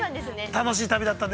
◆楽しい旅だったので。